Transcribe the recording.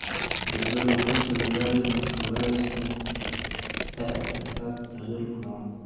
د ګډو هڅو له لاري، موږ کولای سو سته احساسات تغیر کړو.